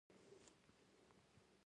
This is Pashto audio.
استعاري اړخ د تمثيلي حکایتونو یو ډول دئ.